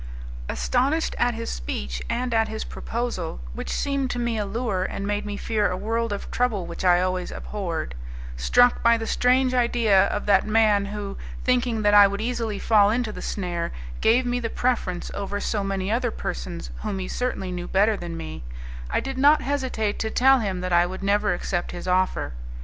Astonished at his speech and at his proposal, which seemed to me a lure and made me fear a world of trouble which I always abhorred, struck by the strange idea of that man who, thinking that I would easily fall into the snare, gave me the preference over so many other persons whom he certainly knew better than me, I did not hesitate to tell him that I would never accept his offer.